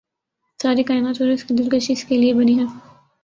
ساری کائنات اور اس کی دلکشی اس کے لیے بنی ہے